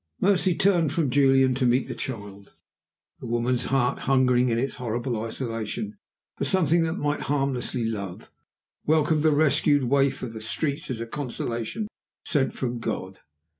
Mercy turned from Julian to meet the child. The woman's heart, hungering in its horrible isolation for something that it might harmlessly love, welcomed the rescued waif of the streets as a consolation sent from God.